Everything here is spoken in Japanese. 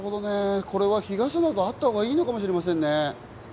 日傘などあったほうがいいのかもしれませんね。